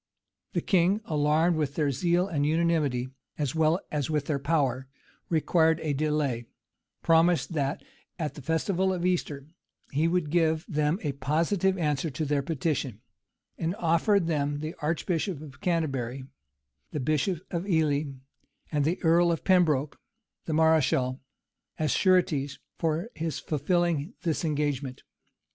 The king, alarmed with their zeal and unanimity, as well as with their power, required a delay; promised that, at the festival of Easter, he would give them a positive answer to their petition; and offered them the archbishop of Canterbury, the bishop of Ely, and the earl of Pembroke, the mareschal, as sureties for his fulfilling this engagement.